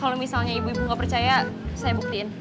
kalau misalnya ibu ibu nggak percaya saya buktiin